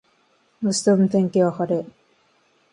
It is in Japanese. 明日の天気は晴れ。